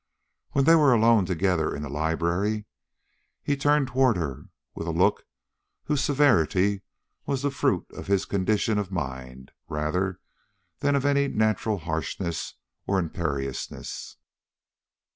When they were alone together in the library, he turned toward her with a look whose severity was the fruit of his condition of mind rather than of any natural harshness or imperiousness.